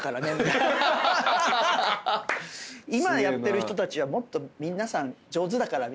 「今やってる人たちはもっと皆さん上手だから」みたいな。